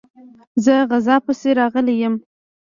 زه غزا پسي راغلی یم.